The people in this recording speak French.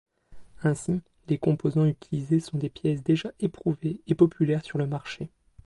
Ainsi, les composants utilisés sont des pièces déjà éprouvées et populaires sur le marché.